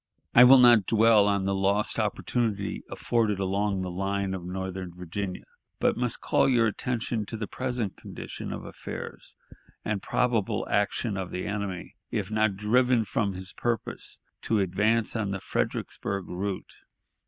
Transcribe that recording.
I will not dwell on the lost opportunity afforded along the line of northern Virginia, but must call your attention to the present condition of affairs and probable action of the enemy, if not driven from his purpose to advance on the Fredericksburg route....